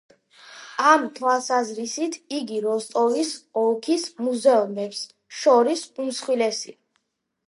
ამ თვალსაზრისით იგი როსტოვის ოლქის მუზეუმებს შორის უმსხვილესია.